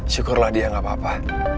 syukurlah dia gak apa apa